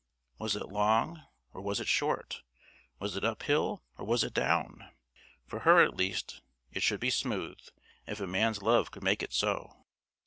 Was it long, or was it short? Was it uphill, or was it down? For her, at least, it should be smooth, if a man's love could make it so.